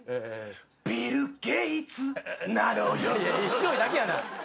勢いだけやな。